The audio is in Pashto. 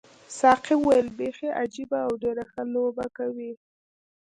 ساقي وویل بیخي عجیبه او ډېره ښه لوبه کوي.